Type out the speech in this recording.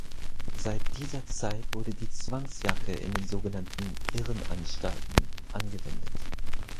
Seit dieser Zeit wurde die Zwangsjacke in den sogenannten "Irrenanstalten" angewendet.